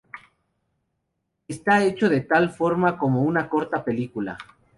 Esta hecho de tal forma como una corta película.